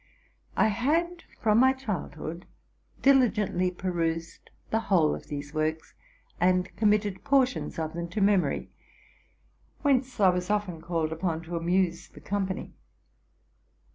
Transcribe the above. I had from my childhood diligently pe rused the whole of these works, and committed portions of them to memory, whence I was often called upon to amuse the company.